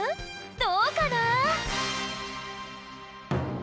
どうかな？